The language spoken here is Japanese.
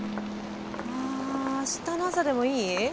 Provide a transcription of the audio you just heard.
あっ明日の朝でもいい？